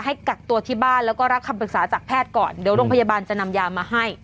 กักตัวที่บ้านแล้วก็รับคำปรึกษาจากแพทย์ก่อนเดี๋ยวโรงพยาบาลจะนำยามาให้